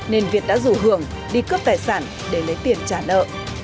nên việt đã rủ hưởng đi cướp tài sản để lấy tiền trả nợ